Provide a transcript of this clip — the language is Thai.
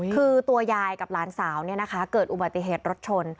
คือตัวยายกับหลานสาวเกิดอุบัติเหตุรถชน